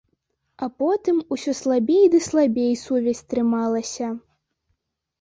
А потым усё слабей ды слабей сувязь трымалася.